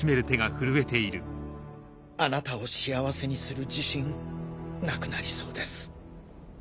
あなたを幸せにする自信なくなりそうです